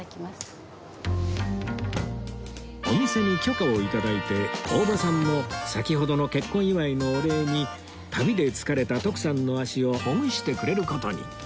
お店に許可を頂いて大場さんも先ほどの結婚祝いのお礼に旅で疲れた徳さんの足をほぐしてくれる事に